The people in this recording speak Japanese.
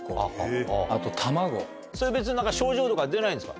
それ別に症状とか出ないんですか？